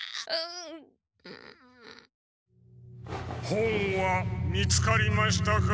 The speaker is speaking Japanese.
本は見つかりましたか？